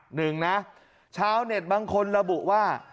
หนึ่งนะชาวเน็ตบางคนระบุว่า